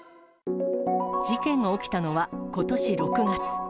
事件が起きたのはことし６月。